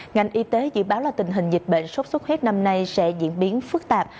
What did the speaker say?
ngành y tế dự báo là tình hình dịch bệnh sốt sốt huyết năm nay sẽ diễn biến phức tạp